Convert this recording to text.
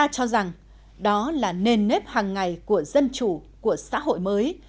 đảng ta cho rằng đó là nền nếp hàng ngày của dân chủ của xã hội mới